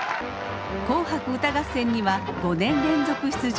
「紅白歌合戦」には５年連続出場。